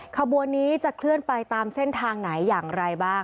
ขบวนนี้จะเคลื่อนไปตามเส้นทางไหนอย่างไรบ้าง